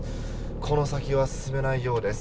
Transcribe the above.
この先は進めないようです。